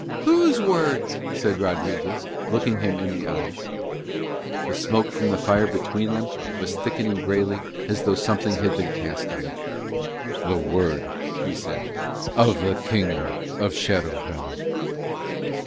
"Whose word?" said Rodriguez, looking him in the eyes. The smoke from the fire between them was thickening greyly as though something had been cast on it. "The word," he said, "of the King of Shadow Valley."